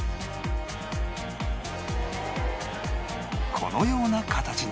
このような形に